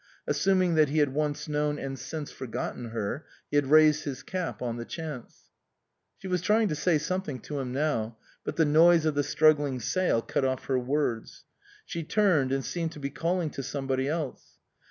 Assuming that he had once known, and since forgotten her, he had raised his cap on the chance. She was trying to say something to him now, but the noise of the struggling sail cut off her words. She turned, and seemed to be calling to somebody else.